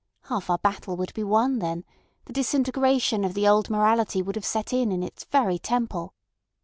Half our battle would be won then; the disintegration of the old morality would have set in in its very temple.